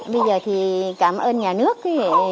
bây giờ thì cảm ơn nhà nước